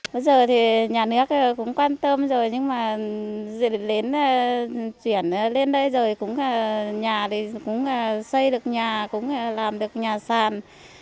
bây giờ thì nhà nước cũng quan tâm rồi nhưng mà chuyển lên đây rồi cũng là xây được nhà cũng là làm được nhà sàn